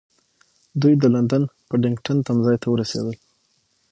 دوی د لندن پډینګټن تمځای ته ورسېدل.